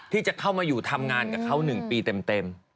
ที่จะเข้ามาอยู่ทำงานกับเขา๑ปีเต็ม